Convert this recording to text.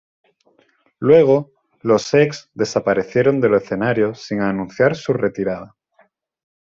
Luego, Los Ex desaparecieron de los escenarios sin anunciar su retirada.